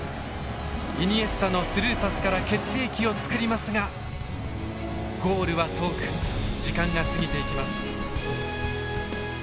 イニエスタのスルーパスから決定機を作りますがゴールは遠く時間が過ぎていきます。